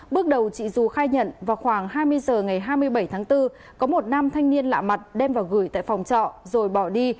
bước đầu chị du khai nhận vào khoảng hai mươi h ngày hai mươi bảy tháng bốn có một nam thanh niên lạ mặt đem vào gửi tại phòng trọ rồi bỏ đi